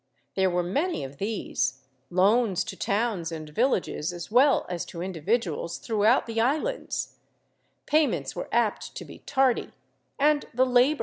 There were many of these — loans to towns and villages as well as to individuals throughout the islands; payments were apt to be tardy and the labor of collection ' Urquinaona, p.